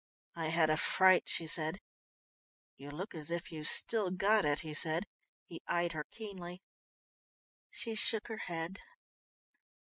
"I had a fright," she said. "You look as if you've still got it," he said. He eyed her keenly. She shook her head.